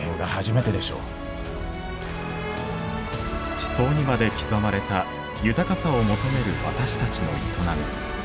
地層にまで刻まれた豊かさを求める私たちの営み。